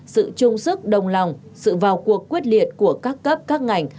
sự trung sức đồng lòng sự vào cuộc quyết liệt của các cấp các ngành